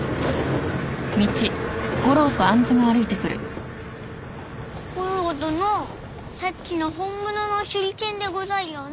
ゴロー殿さっきの本物の手裏剣でござるよな？